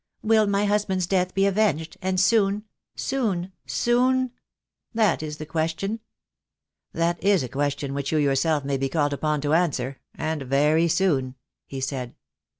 Will my husband's death be avenged, and soon, soon, soon? That is the question." "That is a question which you yourself may be called upon to answer — and very soon," he said.